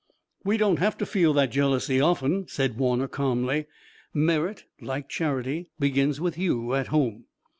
"We don't have to feel that jealousy often," said Warner calmly. "Merit like charity begins with you at home."